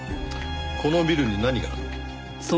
このビルに何があるの？